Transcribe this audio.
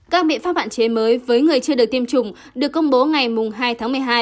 các biện pháp hạn chế mới với người chưa được tiêm chủng được công bố ngày hai tháng một mươi hai